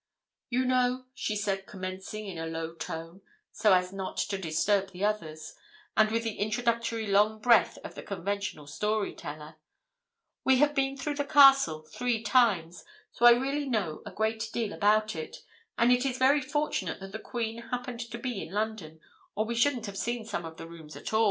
"You know," she said, commencing in a low tone, so as not to disturb the others, and with the introductory long breath of the conventional story teller, "we have been through the castle three times, so I really know a great deal about it, and it is very fortunate that the Queen happened to be in London, or we shouldn't have seen some of the rooms at all."